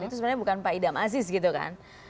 itu sebenarnya bukan pak idam aziz gitu kan